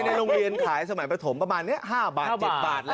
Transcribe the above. ในโรงเรียนขายสมัยประถมประมาณนี้๕บาท๗บาทแล้ว